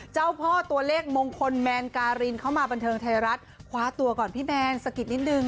เจ้าพ่อตัวเลขมงคลแมนการินเข้ามาบันเทิงไทยรัฐคว้าตัวก่อนพี่แมนสะกิดนิดนึง